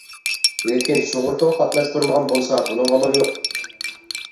لېكىن سۇغۇرتىغا قاتناشتۇرمىغان بولسا بۇنىڭغا ئامال يوق.